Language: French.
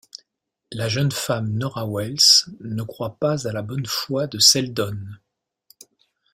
La jeune femme Nora Wells ne croit pas à la bonne foi de Seldon.